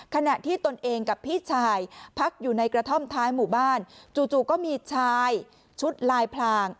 ขณะที่ตนเองกับพี่ชายพักอยู่ในกระท่อมท้ายหมู่บ้านจู่ก็มีชายชุดลายพลาง